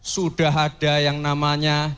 sudah ada yang namanya